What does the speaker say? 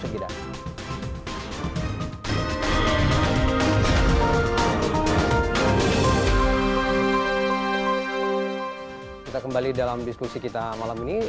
kita kembali dalam diskusi kita malam ini